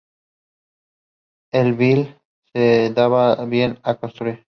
A Bil se le daba bien construir.